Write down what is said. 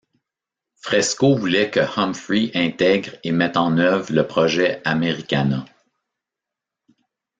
Fresco voulait que Humphrey intègre et mette en œuvre le Project Americana.